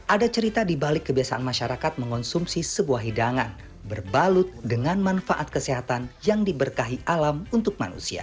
ada cerita di balik kebiasaan masyarakat mengonsumsi sebuah hidangan berbalut dengan manfaat kesehatan yang diberkahi alam untuk manusia